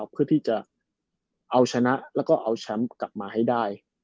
เพื่อที่จะเอาชนะแล้วก็เอาแชมป์กลับมาให้ได้